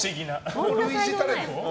類似タレント？